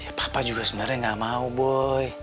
ya papa juga sebenernya gak mau boy